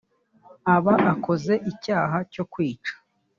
aba akoze icyaha cyo kwica